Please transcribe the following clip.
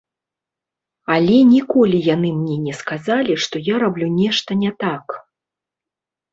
Але ніколі яны мне не сказалі, што я раблю нешта не так.